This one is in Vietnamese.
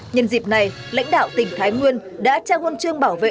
nhân dịp này lãnh đạo tỉnh thái nguyên đã trao huân chương bảo vệ